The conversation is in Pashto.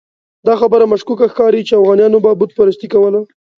دا خبره مشکوکه ښکاري چې اوغانیانو به بت پرستي کوله.